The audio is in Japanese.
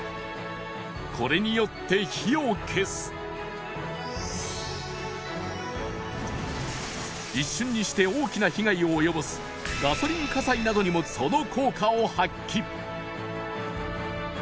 これによって火を消す一瞬にして大きな被害をおよぼすガソリン火災などにもその効果を発揮